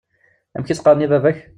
Amek i s-qqaṛen i baba-k?